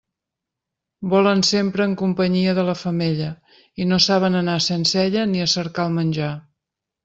Volen sempre en companyia de la femella, i no saben anar sense ella ni a cercar el menjar.